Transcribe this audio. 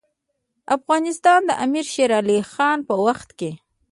افغانستان د امیر شیرعلي خان په وخت کې.